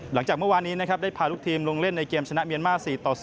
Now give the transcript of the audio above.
หลังจากเมื่อวานนี้นะครับได้พาลูกทีมลงเล่นในเกมชนะเมียนมา๔ต่อ๐